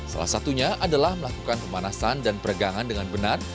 salah satunya adalah melakukan pemanasan dan peregangan dengan benar